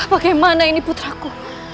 bagaimana ini putraku